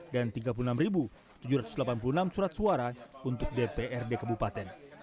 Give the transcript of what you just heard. dan tiga puluh enam tujuh ratus delapan puluh enam surat suara untuk dprd kebupaten